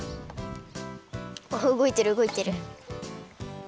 おっうごいてるうごいてる。